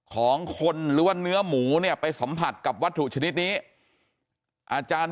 ของคนหรือว่าเนื้อหมูเนี่ยไปสัมผัสกับวัตถุชนิดนี้อาจารย์